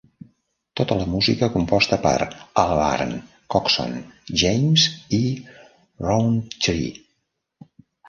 Tota la música composta per Albarn, Coxon, James i Rowntree.